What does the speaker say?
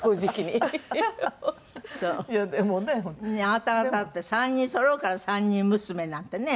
あなた方って３人そろうから三人娘なんてね。